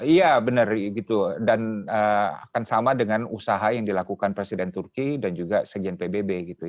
iya benar gitu dan akan sama dengan usaha yang dilakukan presiden turki dan juga sekjen pbb